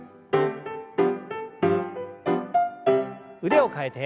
腕を替えて。